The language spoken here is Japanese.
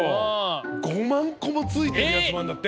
５万個もついてるやつもあるんだって。